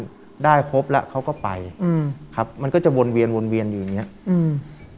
มันได้ครบแล้วเขาก็ไปอืมครับมันก็จะวนเวียนวนเวียนอยู่อย่างเงี้ยอืม